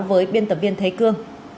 với biên tập viên thế cương